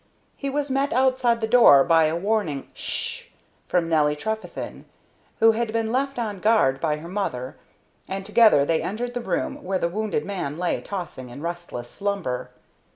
He was met outside the door by a warning "Sh!" from Nelly Trefethen, who had been left on guard by her mother, and together they entered the room where the wounded man lay tossing in restless slumber.